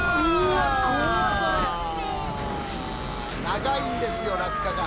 長いんですよ落下が。